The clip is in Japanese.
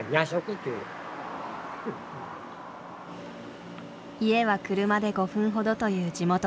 家は車で５分ほどという地元の男性。